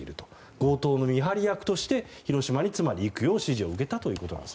強盗の見張り役として広島に行くよう指示を受けたということです。